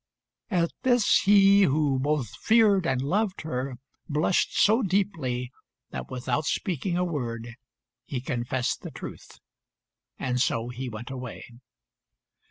At this he, who both feared and loved her, blushed so deeply that, without speaking a word, he confessed the truth; and so he went away.